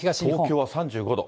東京は３５度。